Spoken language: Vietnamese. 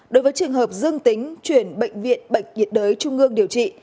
đối với trường hợp dương tính chuyển bệnh viện bệnh nhiệt đới trung ương điều trị